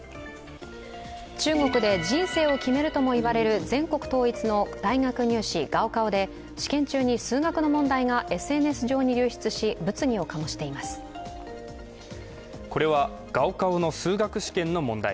中国で人生を決めるとも言わせる全国統一の大学入試高考で、試験中に数学の問題がＳＮＳ上に流出しこれは高考の数学試験の問題。